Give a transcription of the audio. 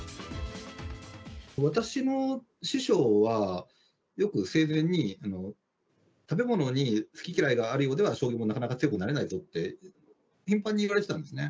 私の師匠はよく生前に、食べ物に好き嫌いがあるようでは、将棋になかなか強くなれないと頻繁に言われてたんですね。